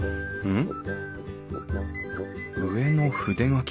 うん。